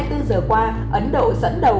hai mươi bốn giờ qua ấn độ dẫn đầu